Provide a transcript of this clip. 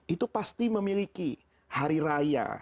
itu pasti memiliki hari raya